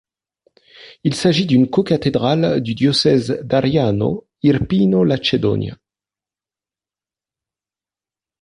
Il s'agit d'une cocathédrale du diocèse d'Ariano Irpino-Lacedonia.